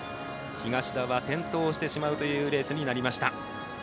東田は転倒してしまうというレースになりました。